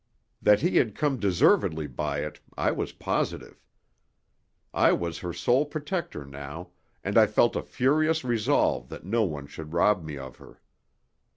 That he had come deservedly by it I was positive. I was her sole protector now, and I felt a furious resolve that no one should rob me of her.